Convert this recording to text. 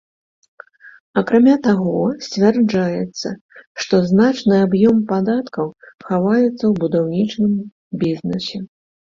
Акрамя таго, сцвярджаецца, што значны аб'ём падаткаў хаваецца ў будаўнічым бізнэсе.